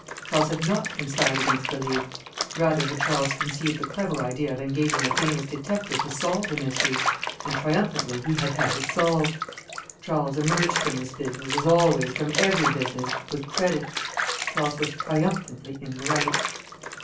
Charles had not conspired against the League. Rather had Charles conceived the clever idea of engaging a famous detective to solve the mystery, and triumphantly he had had it solved. Charles emerged from this business, as always from every business, with credit; Charles was triumphantly in the right.